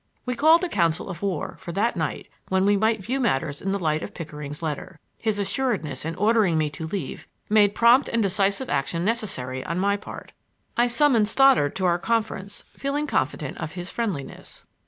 We called a council of war for that night that we might view matters in the light of Pickering's letter. His assuredness in ordering me to leave made prompt and decisive action necessary on my part. I summoned Stoddard to our conference, feeling confident of his friendliness.